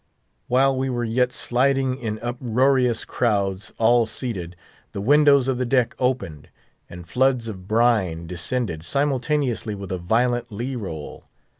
While we were yet sliding in uproarious crowds—all seated—the windows of the deck opened, and floods of brine descended, simultaneously with a violent lee roll.